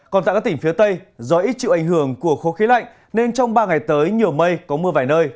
còn tại các tỉnh phía tây do ít chịu ảnh hưởng của không khí lạnh nên trong ba ngày tới nhiều mây có mưa vài nơi